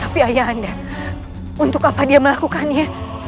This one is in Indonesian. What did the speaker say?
tapi ayah anda untuk apa dia melakukannya